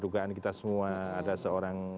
dugaan kita semua ada seorang